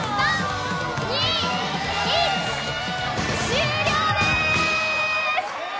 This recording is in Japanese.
終了です。